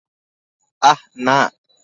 আহ, না।